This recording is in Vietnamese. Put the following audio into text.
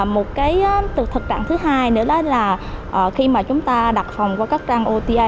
một cái thực trạng thứ hai nữa đó là khi mà chúng ta đặt phòng qua các trang ota